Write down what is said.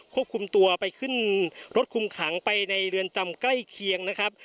ควบคุมตัวไปขึ้นรถคุมขังไปในเรือนจำใกล้เคียงนะครับ